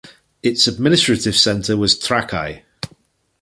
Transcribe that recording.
Its administrative centre was Trakai.